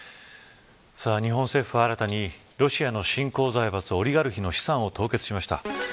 日本政府は新たにロシアの新興財閥オリガルヒの資産を凍結しました。